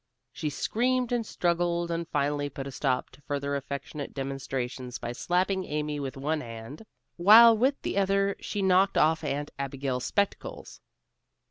She screamed and struggled and finally put a stop to further affectionate demonstrations by slapping Amy with one hand, while with the other she knocked off Aunt Abigail's spectacles.